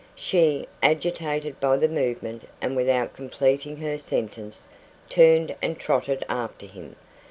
She, agitated by the movement, and without completing her sentence, turned and trotted after him.